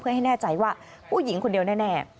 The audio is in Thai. ให้แน่ใจว่าผู้หญิงคนเดียวแน่